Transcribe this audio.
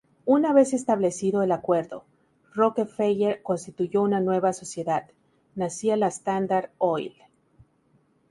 Una vez establecido el acuerdo, Rockefeller constituyó una nueva sociedad: nacía la Standard Oil.